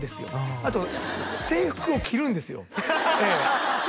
あと制服を着るんですよで